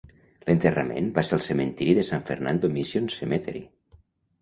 L'enterrament va ser al cementiri de San Fernando Mission Cemetery.